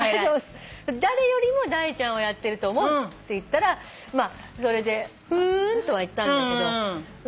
誰よりもダイちゃんはやってると思うって言ったらそれで「ふん」とは言ったんだけど。